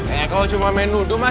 eh kalau cuma main nuduh mas